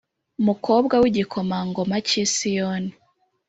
mukobwa w’igikomangoma k'isiyoni